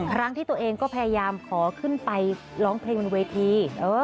ครั้งที่ตัวเองก็พยายามขอขึ้นไปร้องเพลงบนเวที